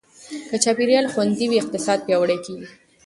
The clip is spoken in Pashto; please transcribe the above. که چاپېریال خوندي وي، اقتصاد پیاوړی کېږي.